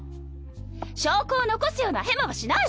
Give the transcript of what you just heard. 証拠を残すようなヘマはしないわ！